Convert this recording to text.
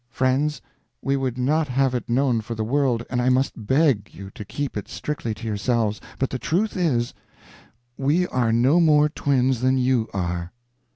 Friends, we would not have it known for the world, and I must beg you to keep it strictly to yourselves, but the truth is, we are no more twins than you are."